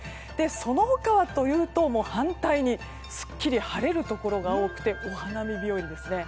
その他はというと、反対にすっきり晴れるところが多くてお花見日和ですね。